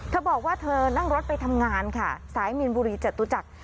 เธอบอกว่าเธอนั่งรถไปทำงานค่ะสายมีนบุรีจตุจักร